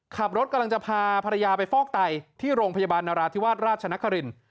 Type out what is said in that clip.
กำลังจะพาภรรยาไปฟอกไตที่โรงพยาบาลนราธิวาสราชนคริน